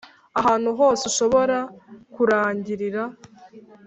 ahantu hose ushobora kurangirira,